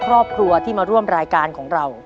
ครอบครัวที่มาร่วมรายการของเรา